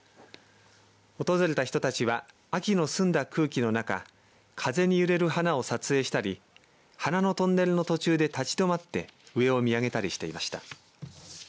訪れた人たちは秋の澄んだ空気の中風に揺れる花を撮影したり花のトンネルの途中で立ち止まって上を見上げたりしていました。